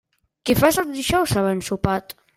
Què fas els dijous havent sopat?